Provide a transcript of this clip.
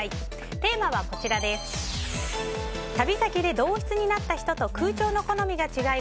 テーマは旅先で同室になった人と空調の好みが違い